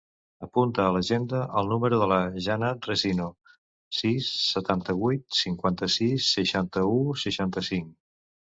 Apunta a l'agenda el número de la Janat Resino: sis, setanta-vuit, cinquanta-sis, seixanta-u, seixanta-cinc.